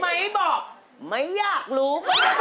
บอกไม่อยากรู้